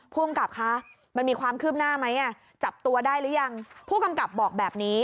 ภูมิกับคะมันมีความคืบหน้าไหมจับตัวได้หรือยังผู้กำกับบอกแบบนี้